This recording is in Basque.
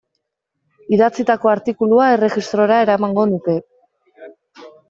Idatzitako artikulua erregistrora eramango nuke.